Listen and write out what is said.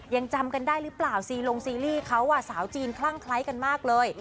ยังจำกันได้หรือเปล่าซีลงซีรีส์เขาสาวจีนคลั่งคล้ายกันมากเลย